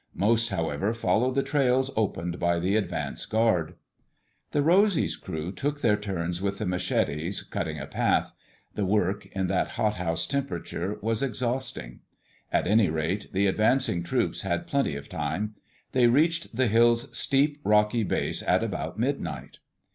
Most, however, followed the trails opened by the advance guard. The Rosy's crew took their turns with the machetes, cutting a path. The work, in that hot house temperature, was exhausting. At any rate, the advancing troops had plenty of time. They reached the hill's steep, rocky base at about midnight.